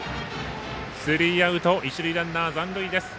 スリーアウト一塁ランナー残塁です。